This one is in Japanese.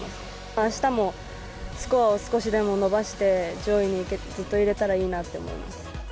あしたもスコアを少しでも伸ばして、上位にずっといれたらいいなって思います。